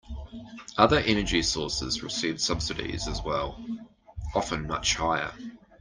Other energy sources receive subsidies as well, often much higher.